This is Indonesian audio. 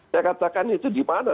saya katakan itu di mana